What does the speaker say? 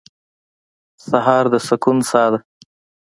سهار د سکون ساه ده.